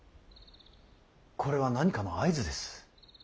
これは何かの合図です。